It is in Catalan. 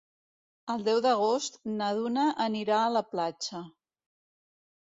El deu d'agost na Duna anirà a la platja.